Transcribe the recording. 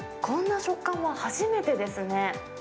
こんな食感は初めてですね。